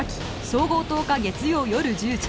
総合１０日月曜夜１０時